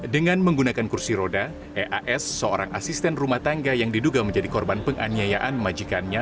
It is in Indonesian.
dengan menggunakan kursi roda eas seorang asisten rumah tangga yang diduga menjadi korban penganiayaan majikannya